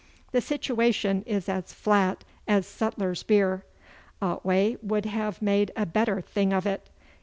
'The situation is as flat as sutler's beer. Otway would have made a bettor thing of it.